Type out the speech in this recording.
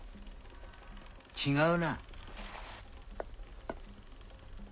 違うな。